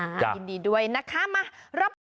ยินดีด้วยนะคะมารับ